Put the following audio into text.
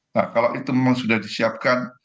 nah kalau itu memang sudah disiapkan